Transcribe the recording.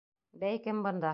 Бәй, кем бында?